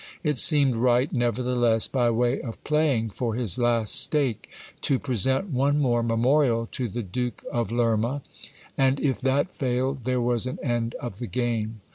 It seemed right, nevertheless, by way of playing for his last stake, to present one more memorial to the Duke of Lerma, and if that failed there was an end of the game.